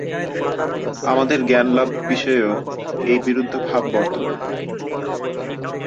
আমাদের জ্ঞানলাভ-বিষয়েও এই বিরুদ্ধভাব বর্তমান।